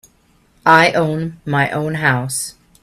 I own my own house.